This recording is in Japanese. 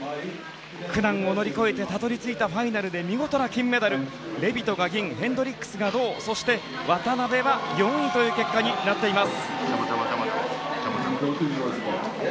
苦難を乗り越えてたどり着いたファイナルで見事な金メダルレビトが銀ヘンドリックスが銅渡辺は４位という結果になっています。